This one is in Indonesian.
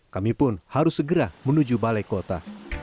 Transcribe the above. kami pun harus segera menuju balai kota